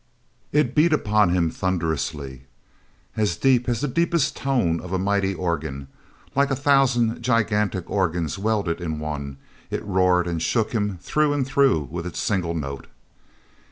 It beat upon him thunderously. As deep as the deepest tone of a mighty organ, like a thousand gigantic organs welded in one, it roared and shook him through and through with its single note.